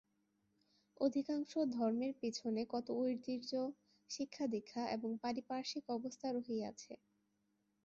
অধিকাংশ ধর্মের পিছনে কত ঐতিহ্য, শিক্ষাদীক্ষা এবং পারিপার্শ্বিক অবস্থা রহিয়াছে।